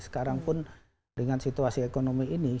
sekarang pun dengan situasi ekonomi ini